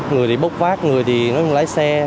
người thì bốc vác người thì nói chung là lái xe